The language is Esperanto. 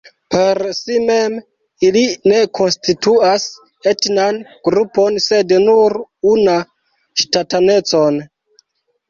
Per si mem ili ne konstituas etnan grupon sed nur una ŝtatanecon.